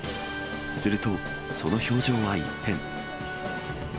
すると、その表情は一変。